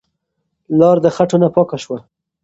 لار د خټو نه پاکه شوه.